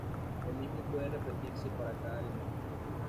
Lo mismo puede repetirse para cada elemento.